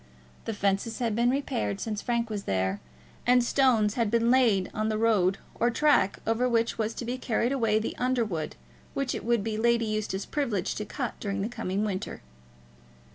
The fences had been repaired since Frank was there, and stones had been laid on the road or track over which was to be carried away the under wood which it would be Lady Eustace's privilege to cut during the coming winter.